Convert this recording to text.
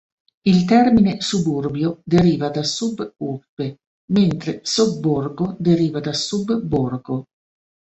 Il termine suburbio deriva da sub-urbe, mentre sobborgo da sub-borgo.